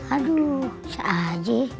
aduh bisa aja